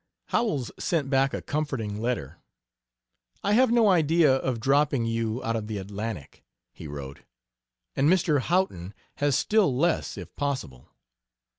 Howells sent back a comforting letter. "I have no idea of dropping you out of the Atlantic," he wrote; "and Mr. Houghton has still less, if possible.